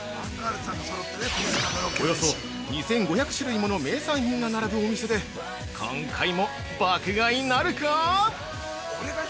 およそ２５００種類もの名産品が並ぶお店で今回も爆買いなるか！？